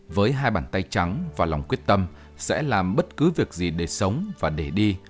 với hai bàn tay trắng và lòng quyết tâm sẽ làm bất cứ việc gì để sống và để đi